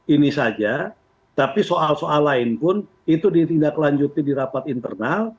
ini saja tapi soal soal lain pun itu ditindaklanjuti di rapat internal